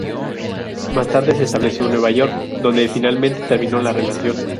Más tarde se estableció en Nueva York, donde finalmente terminó la relación.